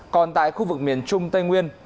còn tại khu vực miền trung tây nguyên